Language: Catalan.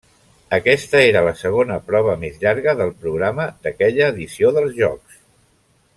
Aquesta era la segona prova més llarga del programa d'aquella edició dels Jocs.